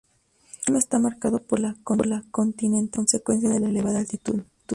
El clima está marcado por la continentalidad, consecuencia de la elevada altitud.